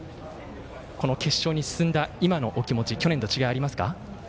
この決勝に進んだ今のお気持ち去年と違いありますか？